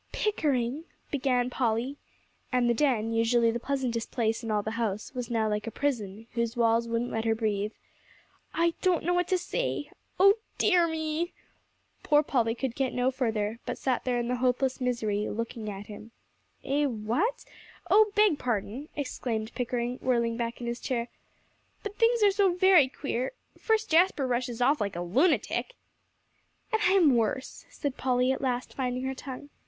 "Pickering," began Polly; and the den, usually the pleasantest place in all the house, was now like a prison, whose walls wouldn't let her breathe, "I don't know what to say. Oh dear me!" Poor Polly could get no further, but sat there in hopeless misery, looking at him. "Eh what? Oh, beg pardon," exclaimed Pickering, whirling back in his chair, "but things are so very queer; first Jasper rushes off like a lunatic " "And I am worse," said Polly, at last finding her tongue.